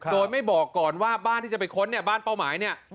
โดยไม่บอกก่อนว่าบ้านที่จะไปค้นเนี่ยบ้านเป้าหมายเนี่ย